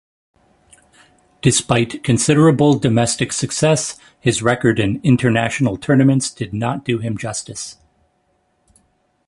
Despite considerable domestic success, his record in international tournaments did not do him justice.